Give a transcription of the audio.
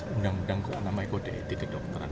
undang undang kode etik dari kedokteran